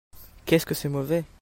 Qu'est-ce que c'est mauvais !